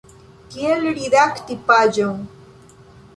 Kiel redakti paĝon.